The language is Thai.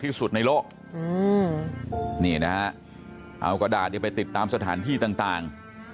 ที่สุดในโลกนี่นะฮะเอากระดาษไปติดตามสถานที่ต่าง